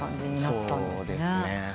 そうですね。